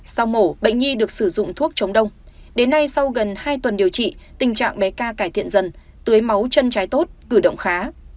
sau mổ bệnh nhi được sử dụng thuốc chống đông đến nay sau gần hai tuần điều trị tình trạng bé tra cải thiện dần tưới máu chân trái tốt cử động khá